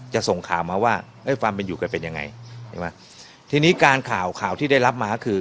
จะส่งข่าวมาว่าฟังเป็นอยู่กันเป็นยังไงทีนี้การข่าวข่าวที่ได้รับมาคือ